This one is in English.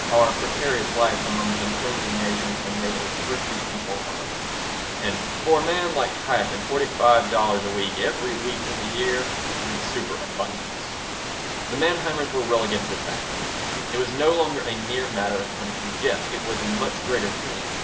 Our precarious life among unfriendly nations has made a thrifty people of us, and for a man like Chaikin forty five dollars a week, every week in the year, meant superabundance The Manheimers were relegated to the background. It was no longer a mere matter of punishing Jeff. It was a much greater thing.